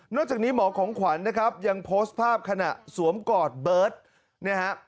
จากนี้หมอของขวัญนะครับยังโพสต์ภาพขณะสวมกอดเบิร์ตนะฮะ